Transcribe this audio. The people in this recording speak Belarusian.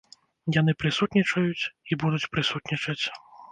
Яны прысутнічаюць і будуць прысутнічаць.